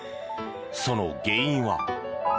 その原因は。